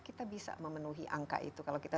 kita bisa memenuhi angka itu kalau kita